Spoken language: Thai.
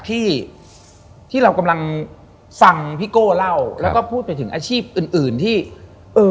ที่ที่เรากำลังฟังพี่โก้เล่าแล้วก็พูดไปถึงอาชีพอื่นอื่นที่เออ